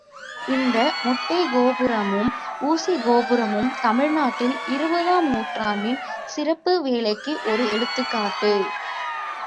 இந்த மொட்டைக் கோபுரமும் ஊசிக் கோபுரமும் தமிழ்நாட்டில் இருபதாம் நூற்றாண்டின் சிற்ப வேலைக்கு ஒரு எடுத்துக்காட்டு!